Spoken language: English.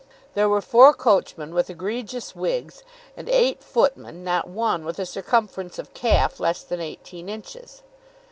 There were four coachmen with egregious wigs, and eight footmen, not one with a circumference of calf less than eighteen inches.